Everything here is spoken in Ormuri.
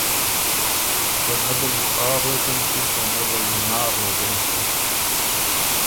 که نۀ دل بُو ”آ“ غوېک اېنچِم او نۀ دل بُو ”نا“ غوېک اېنچِم۔